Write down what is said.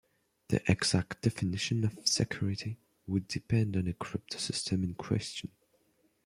The exact definition of security would depend on the cryptosystem in question.